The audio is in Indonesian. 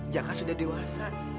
jaka sudah dewasa